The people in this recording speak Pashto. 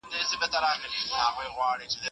هغه پروژې چي زیانمنې سوي وې، بېرته ورغول سوي.